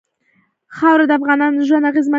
خاوره د افغانانو ژوند اغېزمن کوي.